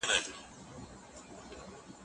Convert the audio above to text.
څېړنه د علم د لا پرمختګ لپاره ده.